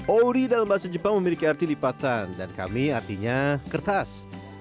ori dalam bahasa jepang memiliki arti lipatan dan kami artinya kertas